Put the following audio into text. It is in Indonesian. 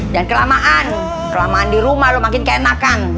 jangan kelamaan kelamaan di rumah lo makin keenakan ya